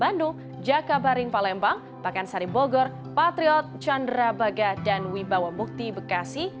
bandung jakabaring palembang pakansari bogor patriot candrabaga dan wibawa mukti bekasi